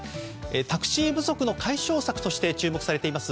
タクシー不足の解消策として注目されています